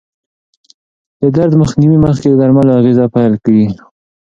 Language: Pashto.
د درد مخنیوي مخکې د درملو اغېزه پېل کېږي.